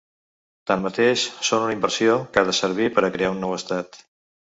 Tanmateix, són una inversió que ha de servir per a crear un nou estat.